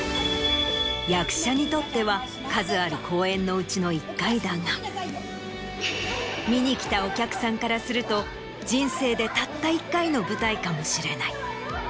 役者にとっては数ある公演のうちの１回だが見に来たお客さんからすると人生でたった１回の舞台かもしれない。